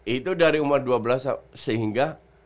itu dari umur dua belas sehingga